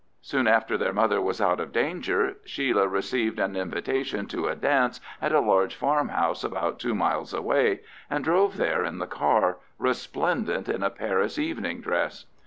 Soon after their mother was out of danger Sheila received an invitation to a dance at a large farmhouse about two miles away, and drove there in the car, resplendent in a Paris evening dress.